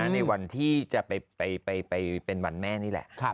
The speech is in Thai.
ในวันที่จะไปเป็นวันแม่นี่แหละ